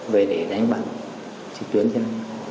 về để đánh bạc trực tuyến trên